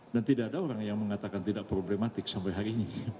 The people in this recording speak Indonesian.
dan tidak ada orang yang mengatakan tidak problematik sampai hari ini